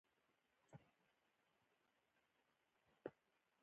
پر ناخبرۍ دلالت کوي.